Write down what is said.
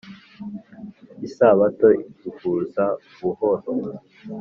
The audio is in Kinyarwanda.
isabato ivuza buhoro